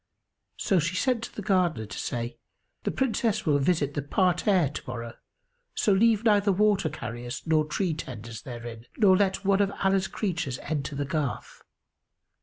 So she sent to the Gardener to say, "The Princess will visit the parterre to morrow, so leave neither water carriers nor tree tenders therein, nor let one of Allah's creatures enter the garth."